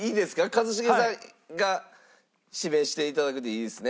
一茂さんが指名していただくでいいんですね。